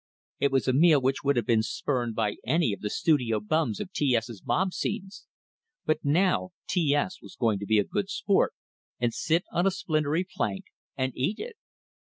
It was a meal which would have been spurned by any of the "studio bums" of T S's mob scenes; but now T S was going to be a good sport, and sit on a splintery plank and eat it!